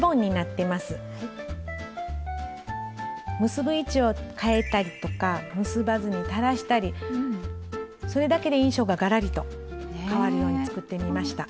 結ぶ位置をかえたりとか結ばずに垂らしたりそれだけで印象がガラリとかわるように作ってみました。